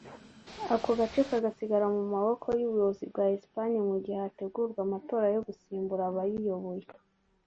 ako gace kagasigara mu maboko y’ubuyobozi bwa Espagne mu gihe hategurwa amatora yo gusimbura abayiyoboye